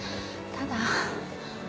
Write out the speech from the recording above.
ただ？